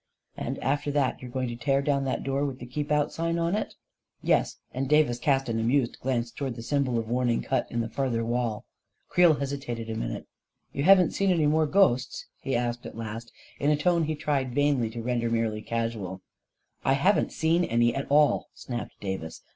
" And after that you are going to tear down that door with the ' Keep Out I ' sign on it? "" Yes," and Davis cast an amused glance toward the symbol of warning cut in the farther wall. Creel hesitated a minute. " You haven't seen any more ghosts? " he asked at last, in a tone he tried vainly to render merely casual. " I haven't seen any at all," snapped Davis.